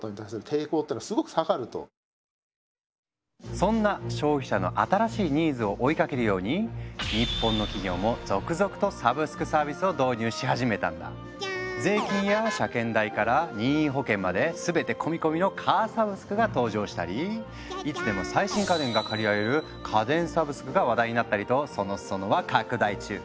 そんな消費者の新しいニーズを追いかけるように日本の税金や車検代から任意保険まで全て込み込みの「カーサブスク」が登場したりいつでも最新家電が借りられる「家電サブスク」が話題になったりとその裾野は拡大中。